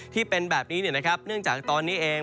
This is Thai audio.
ที่เป็นแบบนี้เนี่ยนะครับเนื่องจากตอนนี้เอง